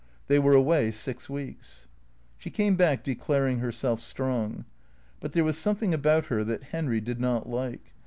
They were away six weeks. She came back declaring herself strong. But there was something about her that Henry did not like.